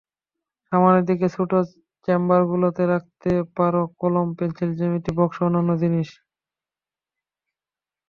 সামনের দিকে ছোট চেম্বারগুলোতে রাখতে পারো কলম, পেনসিল, জ্যামিতি বক্সসহ অন্যান্য জিনিস।